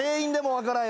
分からん。